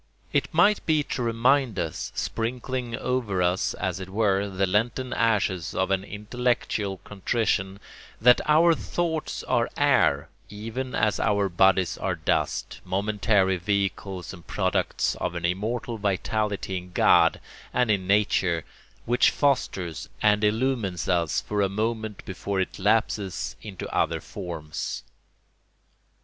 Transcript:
It might be to remind us, sprinkling over us, as it were, the Lenten ashes of an intellectual contrition, that our thoughts are air even as our bodies are dust, momentary vehicles and products of an immortal vitality in God and in nature, which fosters and illumines us for a moment before it lapses into other forms.